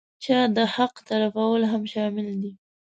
چا د حق تلفول هم شامل دي.